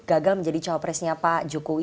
gagal menjadi cowok presnya pak jokowi